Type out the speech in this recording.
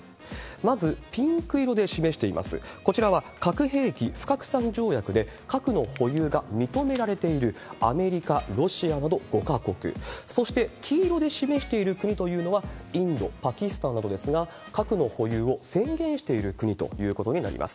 まずピンク色で示しています、こちらは核兵器不拡散条約で、核の保有が認められているアメリカ、ロシアなど５か国、そして黄色で示している国というのは、インド、パキスタンなどですが、核の保有を宣言している国ということになります。